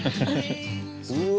うわ。